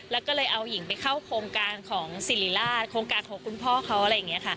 แล้วก็เลยเอาหญิงไปเข้าโครงการของสิริราชโครงการของคุณพ่อเขาอะไรอย่างนี้ค่ะ